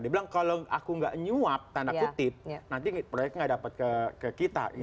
dibilang kalau aku enggak nyuap tanda kutip nanti proyeknya gak dapat ke kita